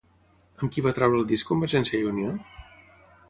Amb qui va treure el disc Convergència i Unió?